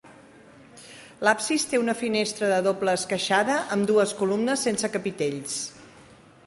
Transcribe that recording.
L'absis té una finestra de doble esqueixada amb dues columnes sense capitells.